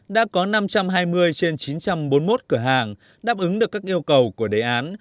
đã có năm trăm hai mươi trên chín trăm bốn mươi một cửa hàng đáp ứng được các yêu cầu của đề án